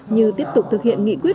như tiếp tục thực hiện nghị quyết